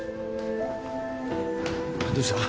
どうした！？